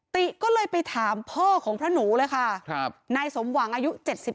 ติก็เลยไปถามพ่อของพระหนูเลยค่ะนายสมหวังอายุ๗๒